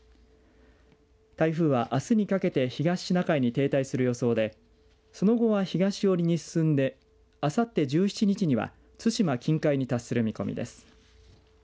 台風は、あすにかけて東シナ海に停滞する予想でその後は東寄りに進んであさって１７日には対馬近海に達する見込みです。